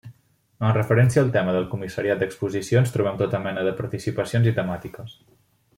En referència al tema del comissariat d'exposicions trobem tota mena de participacions i temàtiques.